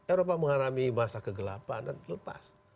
eropa mengharami masa kegelapan dan lepas